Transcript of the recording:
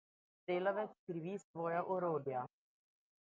Slab delavec krivi svoja orodja.